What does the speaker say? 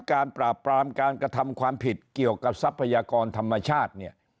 ปราบปรามการกระทำความผิดเกี่ยวกับทรัพยากรธรรมชาติเนี่ย